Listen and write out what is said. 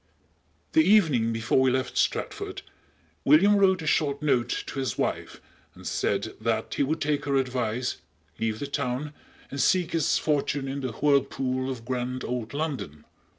"_ The evening before we left Stratford William wrote a short note to his wife and said that he would take her advice, leave the town, and seek his fortune in the whirlpool of grand old London.